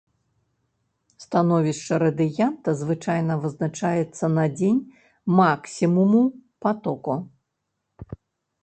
Становішча радыянта звычайна вызначаецца на дзень максімуму патоку.